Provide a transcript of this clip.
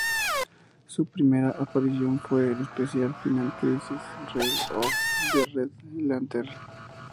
Su primera aparición fue en el especial "Final Crisis: Rage of the Red Lantern".